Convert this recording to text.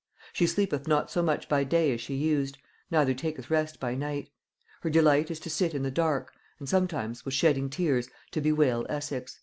She sleepeth not so much by day as she used, neither taketh rest by night. Her delight is to sit in the dark, and sometimes, with shedding tears, to bewail Essex."